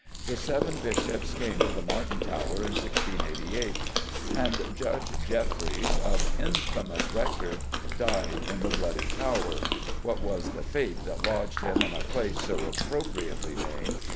The Seven Bishops came to the Martin Tower in 1688, and Judge Jeffreys, of infamous record, died in the Bloody Tower what was the fate that lodged him in a place so appropriately named?